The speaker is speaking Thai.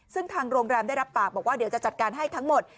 ซึ่งทางโรงแรมได้รับปากบอกว่าเดี๋ยวจะจัดการให้ทั้งหมด